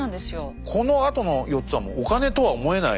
このあとの４つはお金とは思えない。